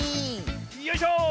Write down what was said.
よいしょ！